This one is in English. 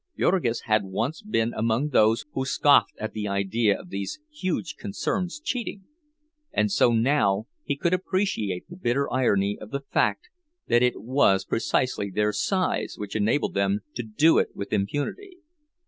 Jurgis had once been among those who scoffed at the idea of these huge concerns cheating; and so now he could appreciate the bitter irony of the fact that it was precisely their size which enabled them to do it with impunity.